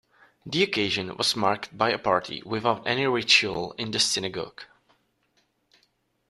The occasion was marked by a party without any ritual in the synagogue.